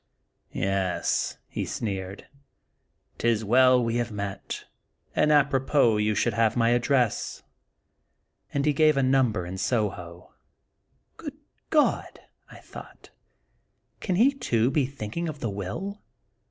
"Yes," he sneered, "'tis well we have met, and ap^ ropos^ you should have my address," and he gave a number in Soho. " Good God I " I thought, " can he too be thinking of the will?"